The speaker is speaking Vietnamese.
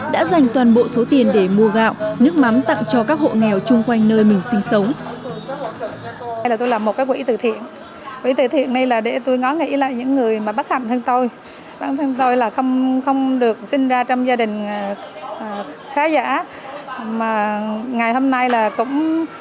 đã dành toàn bộ số tiền để mua gạo nước mắm tặng cho các hộ nghèo chung quanh nơi mình sinh sống